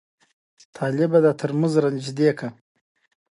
بې پلانه بد دی.